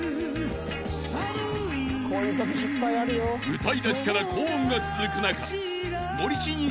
［歌い出しから高音が続く中森進一